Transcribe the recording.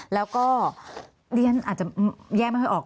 แล้วก็เรียนอาจจะแยกไม่ค่อยออก